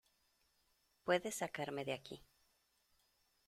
Puedes sacarme de aquí.